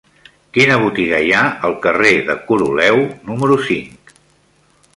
Quina botiga hi ha al carrer de Coroleu número cinc?